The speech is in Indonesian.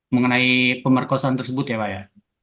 mengenai pemerkosaan tersebut ya pak ya